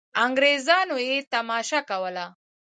انګرېزانو یې تماشه کوله.